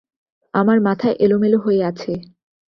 আমার মাথা এলোমেলো হয়ে আছে।